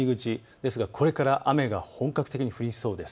ですが、これから雨が本格的に降りそうです。